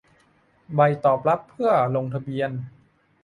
ใบตอบรับเพื่อลงทะเบียน